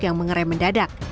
yang mengerai mendadak